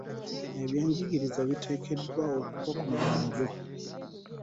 Eby'enjigiriza biteekeddwa okuba ku mwanjo.